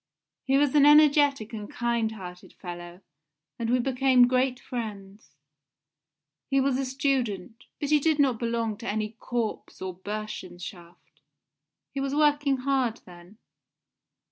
He was an energetic and kind hearted fellow, and we became great friends. He was a student, but he did not belong to any Korps or Bursenschaft, he was working hard then.